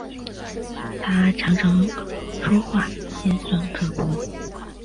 她常常说话尖酸刻薄